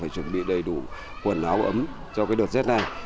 phải chuẩn bị đầy đủ quần áo ấm cho đợt rét này